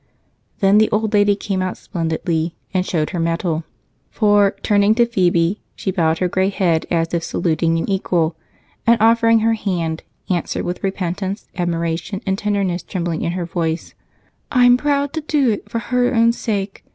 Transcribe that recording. Then the old lady came out splendidly and showed her mettle, for, turning to Phebe, she bowed her gray head as if saluting an equal and, offering her hand, answered with repentance, admiration, and tenderness trembling in her voice: "I'm proud to do it for her own sake.